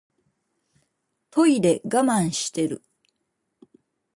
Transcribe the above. トイレ我慢してる